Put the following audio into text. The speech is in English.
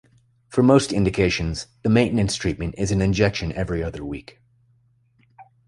For most indications, the maintenance treatment is an injection every other week.